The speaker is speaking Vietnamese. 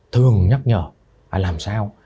thường nhắc nhở là làm sao